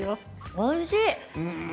おいしい。